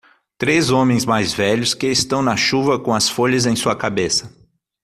Três homens mais velhos que estão na chuva com as folhas em sua cabeça.